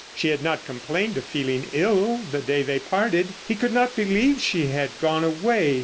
She had not complained of feeling ill the day they parted. He could not believe she had gone away.